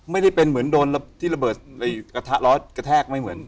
ไม่ได้เป็นเหมือนโดนที่ระเบิดในกระทะล้อกระแทกไม่เหมือน